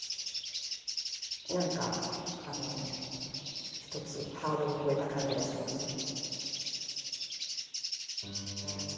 何か一つハードル越えた感じがしますね。